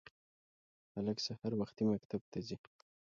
هلک سهار وختي مکتب ته ځي